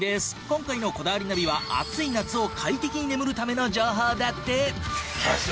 今回の『こだわりナビ』は暑い夏を快適に眠るための情報だって。